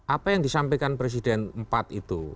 apa yang disampaikan presiden empat itu